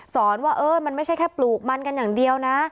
สอนว่าเออมันไม่ใช่แค่ปลูกมันกันอย่างเดียวนะ